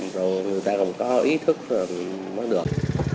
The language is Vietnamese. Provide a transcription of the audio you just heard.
rồi người ta cũng có ý thức mới được